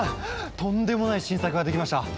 とんでもない新作ができました。